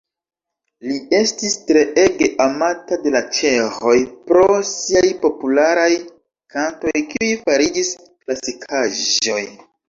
Li estis treege amata de la ĉeĥoj pro siaj popularaj kantoj, kiuj fariĝis klasikaĵoj.